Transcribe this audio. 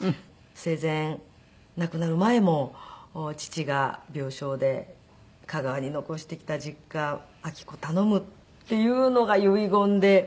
生前亡くなる前も父が病床で「香川に残してきた実家明子頼む」っていうのが遺言で。